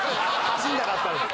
走んなかったです。